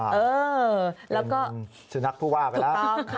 เป็นชื่อนักภูวาไปแล้ว